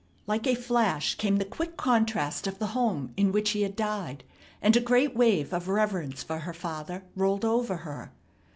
Like a flash came the quick contrast of the home in which he had died, and a great wave of reverence for her father rolled over her.